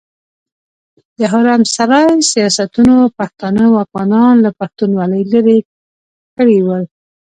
د حرم سرای سياستونو پښتانه واکمنان له پښتونولي ليرې کړي ول.